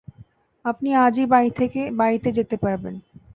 আপনি আজই বাড়িতে যেতে পারবেন।